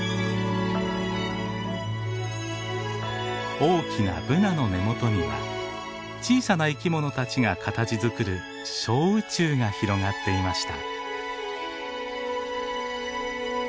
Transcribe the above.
大きなブナの根元には小さな生き物たちが形づくる小宇宙が広がっていました。